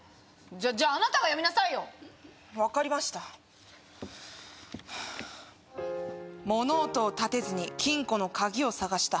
じゃああなたが読みなさいよわかりました「物音を立てずに金庫の鍵を探した」